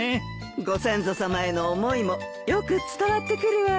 ご先祖さまへの思いもよく伝わってくるわよ。